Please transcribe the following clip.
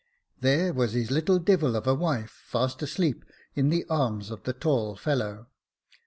There was his little devil of a wife, fast asleep in the arms of the tall fellow.